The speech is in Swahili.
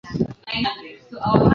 Siwezi kuwa nikisoma kila siku